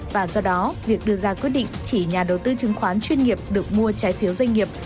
và do đó việc đưa ra quyết định chỉ nhà đầu tư chứng khoán chuyên nghiệp được mua trái phiếu doanh nghiệp